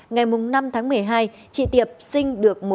ngày năm tháng một mươi hai chị tiệp sinh được